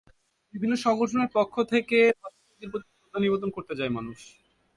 বিভিন্ন সংগঠনের পক্ষ থেকে ভাষাশহীদদের প্রতি শ্রদ্ধা নিবেদন করতে যায় মানুষ।